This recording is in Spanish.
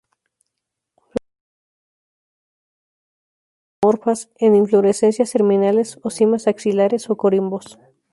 Flores bisexuales, ligeramente zigomorfas, en inflorescencias terminales o cimas axilares o corimbos.